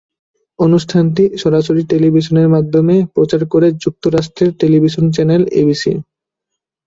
অনুষ্ঠানটি সরাসরি টেলিভিশনের মাধ্যমে প্রচার করে যুক্তরাষ্ট্রের টেলিভিশন চ্যানেল এবিসি।